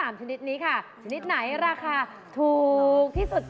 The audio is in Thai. อ้าวแล้ว๓อย่างนี้แบบไหนราคาถูกที่สุด